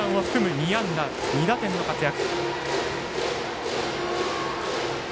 ２安打２打点の活躍。